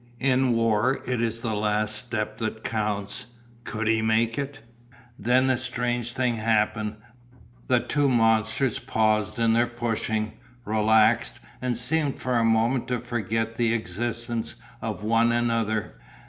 In war it is the last step that counts, could he make it? Then a strange thing happened. The two monsters paused in their pushing, relaxed, and seemed for a moment to forget the existence of one another.